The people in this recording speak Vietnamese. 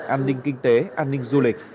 an ninh kinh tế an ninh du lịch